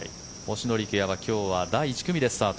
星野陸也は今日は１１組でスタート。